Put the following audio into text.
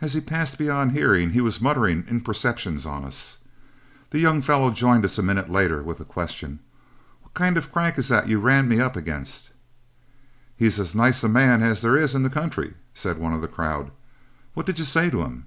And as he passed beyond hearing he was muttering imprecations on us. The young fellow joined us a minute later with the question, 'What kind of a crank is that you ran me up against?' "'He's as nice a man as there is in this country,' said one of the crowd. 'What did you say to him?'